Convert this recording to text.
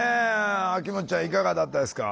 あきもっちゃんいかがだったですか？